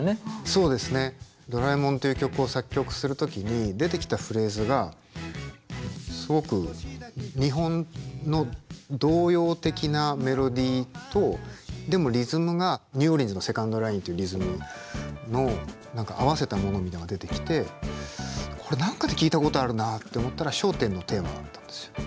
そうですね「ドラえもん」っていう曲を作曲する時に出てきたフレーズがすごく日本の童謡的なメロディーとでもリズムがニューオリンズのセカンド・ラインっていうリズムの何か合わせたものみたいなのが出てきてこれ何かで聴いたことあるなって思ったら「笑点のテーマ」だったんですよ。